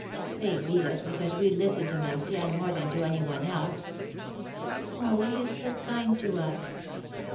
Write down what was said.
"They beat us because we listen to Martial more than to any one else." "Oh, he is so kind to us!"